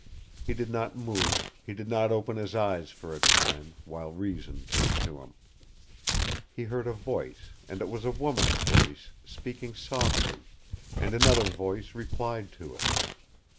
He did not move, he did not open his eyes for a time, while reason came to him. He heard a voice, and it was a woman's voice, speaking softly, and another voice replied to it.